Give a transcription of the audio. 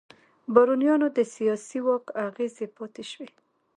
بارونیانو د سیاسي واک اغېزې پاتې شوې.